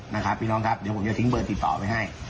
จะทิ้งเบอร์ติดต่อไปให้